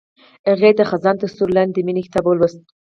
هغې د خزان تر سیوري لاندې د مینې کتاب ولوست.